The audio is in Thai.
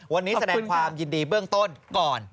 วันนี้แสดงความยินดีเบื้องต้นก่อน